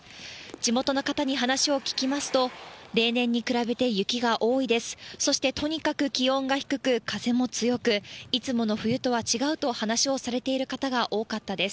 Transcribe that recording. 地元の方に話を聞きますと、例年に比べて雪が多いです。